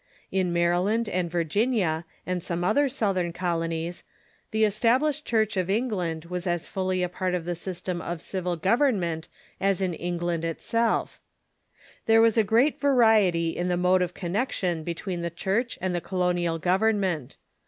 of the Church j^^ Maryland and Virginia and some other South ern colonies the Established Church of England was as fully a part of the system of civil government as in England itself. There was a great variety in the mode of connection between the Church and the colonial government.